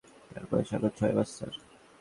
তার বয়স এখন ছয় মাস, স্যার!